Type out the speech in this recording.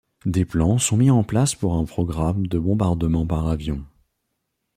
Des plans sont mis en place pour un programme de bombardement par avion.